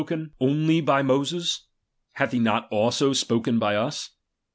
XVI, only by Moses? Hath he not aho spoken by us?